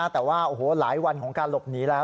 แต่ว่าโอ้โหหลายวันของการหลบหนีแล้ว